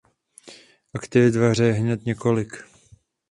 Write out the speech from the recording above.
Aktivit ve hře je hned několik.